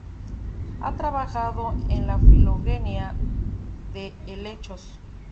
Ha trabajado en la filogenia de helechos.